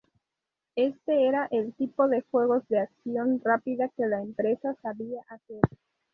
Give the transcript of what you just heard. Este era el tipo de juegos de acción rápida que la empresa sabía hacer.